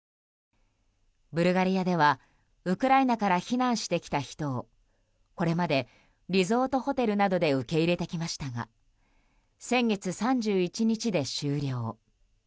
ブルガリアでは、ウクライナから避難してきた人をこれまでリゾートホテルなどで受け入れてきましたが先月３１日で終了。